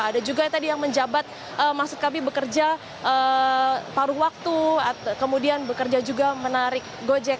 ada juga tadi yang menjabat maksud kami bekerja paru waktu kemudian bekerja juga menarik